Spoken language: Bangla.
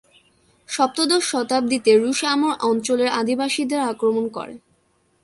সপ্তদশ শতাব্দীতে রুশ আমুর অঞ্চলের আদিবাসীদের আক্রমণ করে।